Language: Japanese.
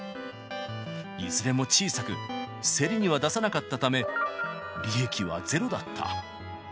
いずれも小さく、競りには出さなかったため、利益はゼロだった。